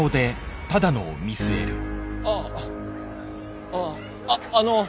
ああっあの。